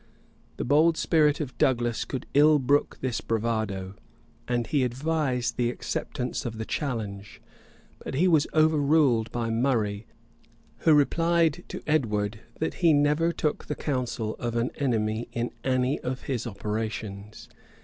The bold spirit of Douglas could ill brook this bravado, and he advised the acceptance of the challenge; but he was overruled by Murray, who replied to Edward that he never took the counsel of an enemy in any of his operations.